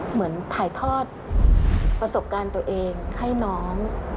เหมือนถ่ายทอดประสบการณ์ตัวเองให้น้อง